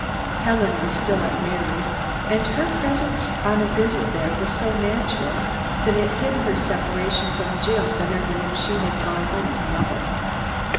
Helen was still at Mary's, and her presence on a visit there was so natural that it hid her separation from Jim better than if she had gone home to mother.